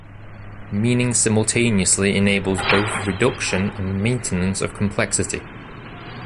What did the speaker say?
Meaning simultaneously enables both reduction and maintenance of complexity.